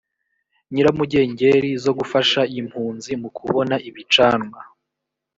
nyiramugengeri zo gufasha impunzi mu kubona ibicanwa